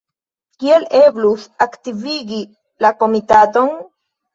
Kiel eblus aktivigi la komitaton?